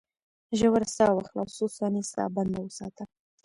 ژوره ساه واخله او څو ثانیې ساه بنده وساته.